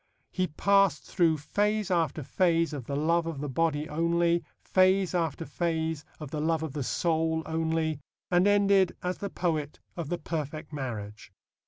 He passed through phase after phase of the love of the body only, phase after phase of the love of the soul only, and ended as the poet of the perfect marriage.